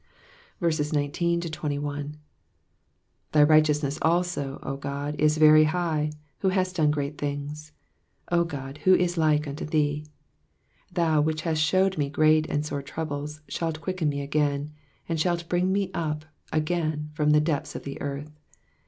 19 Thy righteousness also, O God, is very high, who hast done great things : O God, who is like unto thee ! 20 TAoUy which hast shewed me great and sore troubles, shalt quicken me again, and shalt bring me up again from the depths of the earth.